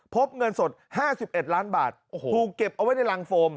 พบเงินสดห้าสิบเอ็ดล้านบาทโอ้โหเก็บเอาไว้ในรังโฟม